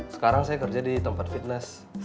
sekarang saya kerja di tempat fitness